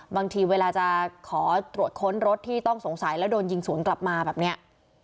บางทีเวลาจะขอตรวจค้นรถที่ต้องสงสัยแล้วโดนยิงสวนกลับมาแบบนี้